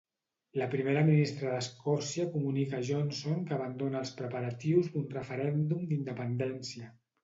La primera ministra d'Escòcia comunica a Johnson que abandona els preparatius d'un referèndum d'independència.